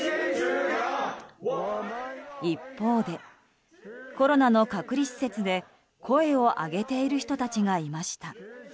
一方で、コロナの隔離施設で声を上げている人たちがいました。